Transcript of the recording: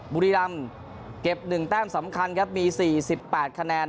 บุรีรำเก็บหนึ่งแต้มสำคัญครับมีสี่สิบแปดคะแนน